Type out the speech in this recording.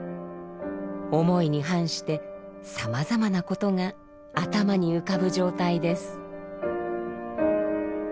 思いに反してさまざまなことが頭に浮かぶ状態です。